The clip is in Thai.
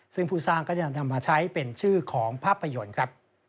ซึ่งผู้สร้างก็จะนำมาใช้เป็นชื่อของภาพยนตร์ครับ